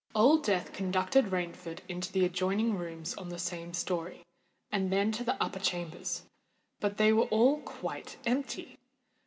Old Death conducted Rainford into the adjoining rooms on the same storey, and then to the upper chambers; but they were all quite empty!